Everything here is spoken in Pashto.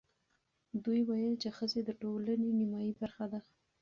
دوی ویل چې ښځې د ټولنې نیمايي برخه ده.